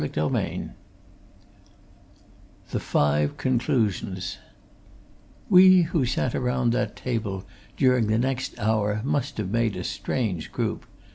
CHAPTER XI THE FIVE CONCLUSIONS We who sat round that table during the next hour or so must have made a strange group.